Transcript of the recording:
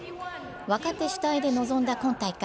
若手主体で臨んだ今大会。